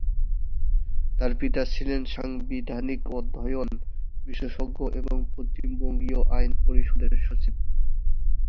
তার পিতা ছিলেন সাংবিধানিক অধ্যয়ন বিশেষজ্ঞ এবং পশ্চিম বঙ্গীয় আইন পরিষদের সচিব।